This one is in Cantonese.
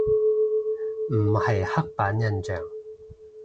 唔係刻板印象